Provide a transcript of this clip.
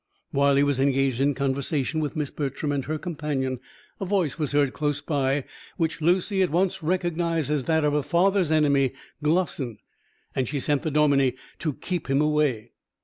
While he was engaged in conversation with Miss Bertram and her companion, a voice was heard close by, which Lucy at once recognised as that of her father's enemy, Glossin, and she sent the dominie to keep him away.